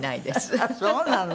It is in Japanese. あっそうなの？